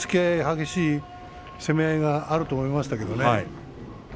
激しい突き合いがあると思いましたけどね。